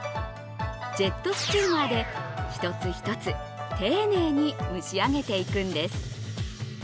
ジェットスチーマーで一つ一つ丁寧に蒸し上げていくんです。